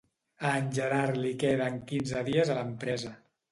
A en Gerard li queden quinze dies a l'empresa